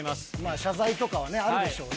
謝罪とかね、あるでしょうね。